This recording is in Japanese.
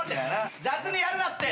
雑にやるなって。